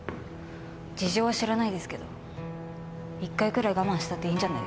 事情は知らないですけど一回ぐらい我慢したっていいんじゃないですか？